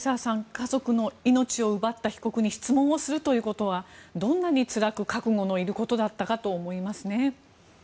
家族の命を奪った被告に質問をするということはどんなにつらく覚悟のいることだったかと思いますね。